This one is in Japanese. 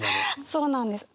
そうなんです。